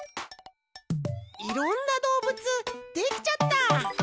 いろんなどうぶつできちゃった！